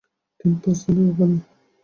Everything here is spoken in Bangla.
ট্রেন প্রস্থানের ওখানে?